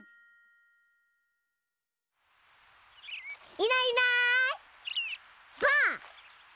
いないいないばあっ！